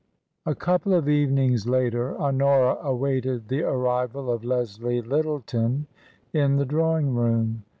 A COUPLE of evenings later, Honora awaited the arrival of Leslie Lyttleton in the drawing room.